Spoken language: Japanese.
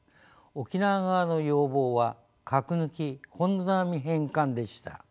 沖縄側の要望は「核抜き本土並み返還」でした。